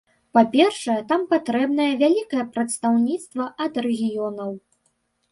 Па-першае, там патрэбнае вялікае прадстаўніцтва ад рэгіёнаў.